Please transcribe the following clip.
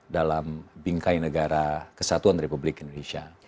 dalam bingkai negara kesatuan republik indonesia